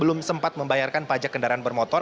belum sempat membayarkan pajak kendaraan bermotor